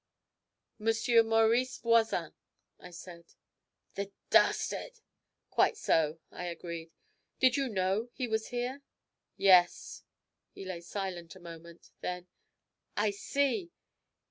'Monsieur Maurice Voisin,' I said. 'The dastard!' 'Quite so,' I agreed. 'Did you know he was here?' 'Yes.' He lay silent a moment, then: 'I see!